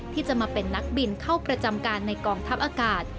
ที่จะมาเป็นนักบินเข้าประจำการในกองทัพอากาศ